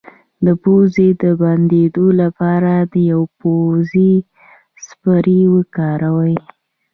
د پوزې د بندیدو لپاره د پوزې سپری وکاروئ